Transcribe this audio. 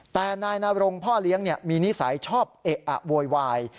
แต่นายนรงพ่อเลี้ยงมีนิสัยชอบเอะอะโวยวาย